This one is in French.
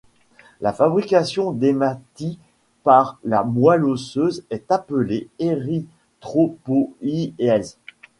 La fabrication d'hématies par la moelle osseuse est appelée érythropoïèse.